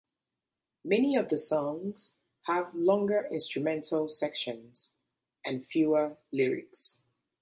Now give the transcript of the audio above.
Many of the songs have longer instrumental sections and fewer lyrics.